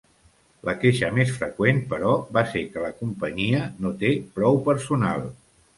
La queixa més freqüent, però, va ser que la companyia no té prou personal.